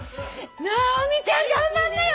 直美ちゃん頑張んなよ！